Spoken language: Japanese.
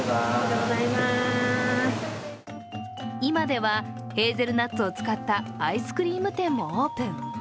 今ではヘーゼルナッツを使ったアイスクリーム店もオープン。